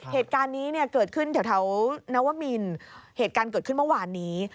เหตุการณ์นี้เนี่ยเกิดขึ้นแถวนวมินเหตุการณ์เกิดขึ้นเมื่อวานนี้